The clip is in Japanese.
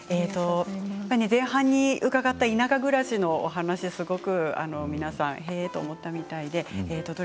前半に伺った田舎暮らしの話が皆さん、へえと思ったみたいです。